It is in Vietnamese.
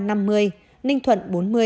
ninh thuận bốn mươi